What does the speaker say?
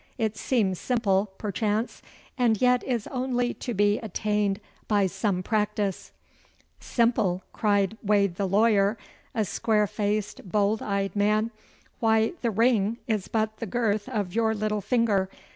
It seems simple, perchance, and yet is only to be attained by some practice.' 'Simple!' cried Wade the lawyer, a square faced, bold eyed man. 'Why, the ring is but the girth of your little finger.